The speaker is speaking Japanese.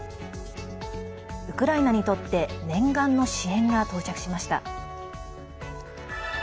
ウクライナにとって念願の支援が到着しました。